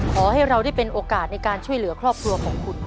ขอให้เราได้เป็นโอกาสในการช่วยเหลือครอบครัวของคุณ